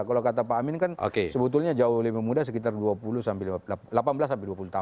kalau kata pak amin kan sebetulnya jauh lebih mudah sekitar dua puluh sampai delapan belas sampai dua puluh tahun